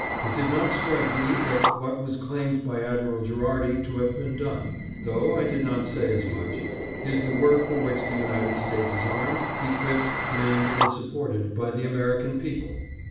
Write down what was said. It did not strike me that what was claimed by Admiral Gherardi to have been done — though I did not say as much — is the work for which the United States is armed, equipped, manned and sup ported by the American people.